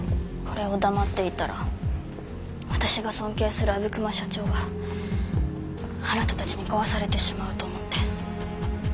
これを黙っていたら私が尊敬する阿武隈社長があなたたちに壊されてしまうと思って。